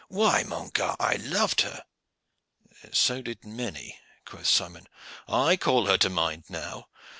Why, mon gar., I loved her." "So did a many," quoth Simon. "I call her to mind now.